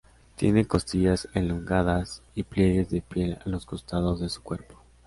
Tiene costillas elongadas y pliegues de piel a los costados de su cuerpo.